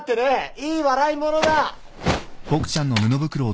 いい笑い者だ！